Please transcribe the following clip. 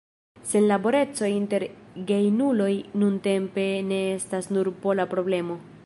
Senlaboreco inter gejunuloj nuntempe ne estas nur pola problemo.